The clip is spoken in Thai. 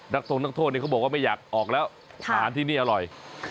ทรงนักโทษเนี่ยเขาบอกว่าไม่อยากออกแล้วอาหารที่นี่อร่อย